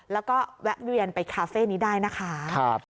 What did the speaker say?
แล้วก็แวะเวียนไปคาเฟ่นี้ได้นะคะ